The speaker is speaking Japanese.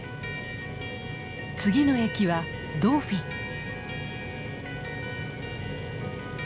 次の駅はドーフィン。